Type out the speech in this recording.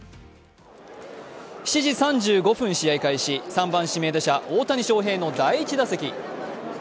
７時３５分試合開始、３番・指名打者、大谷翔平の第１打席。